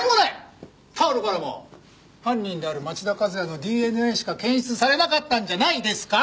タオルからも犯人である町田和也のＤＮＡしか検出されなかったんじゃないですか？